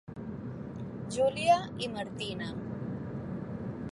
Júlia i Martina.